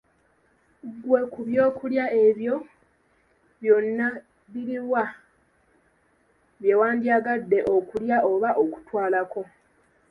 Ggwe ku by'okulya ebyo byonna biruwa byewandyagadde okulya oba okutwalako?